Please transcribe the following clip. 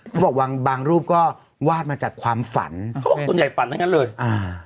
เขาบอกบางบางรูปก็วาดมาจากความฝันเขาบอกส่วนใหญ่ฝันทั้งนั้นเลยอ่า